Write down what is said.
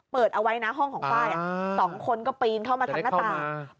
เปิดเอาไว้นะห้องของไฟล์๒คนก็ปีนเข้ามาทางหน้าต่าง